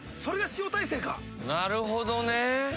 なるほどね。